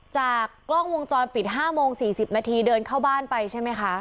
จากกล้องวงจรปิด๕โมง๔๐นาทีเดินเข้าบ้านไปใช่ไหมคะ